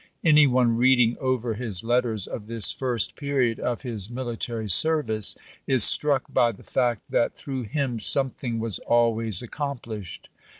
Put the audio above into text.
Any one reading over his letters of this first period of his military service is struck by the fact that through him something was always accomplished.